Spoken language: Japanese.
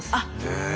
へえ。